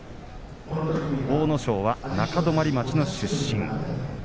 阿武咲は中泊町の出身。